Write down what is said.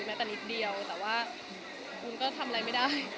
แต่นิดเดียวแต่ว่าวุ้นก็ทำอะไรไม่ได้